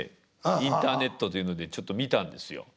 インターネットというのでちょっと見たんですよ。